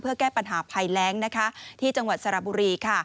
เพื่อแก้ปัญหาภัยแรงนะคะที่จังหวัดสระบุรีค่ะ